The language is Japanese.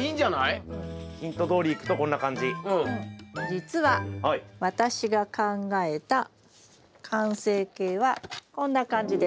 じつは私が考えた完成形はこんな感じです。